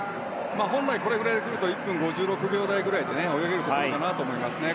本来、これぐらいでくると１分５６秒台くらいで泳げるところかなと思いますね。